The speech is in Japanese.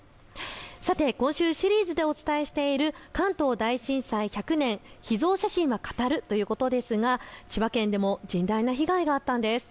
さて今週シリーズでお伝えしている関東大震災１００年秘蔵写真は語るということですが千葉県でも甚大な被害があったんです。